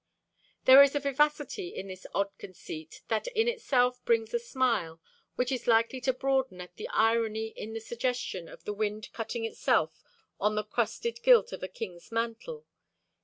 There is a vivacity in this odd conceit that in itself brings a smile, which is likely to broaden at the irony in the suggestion of the wind cutting itself on the crusted gilt of a king's mantle.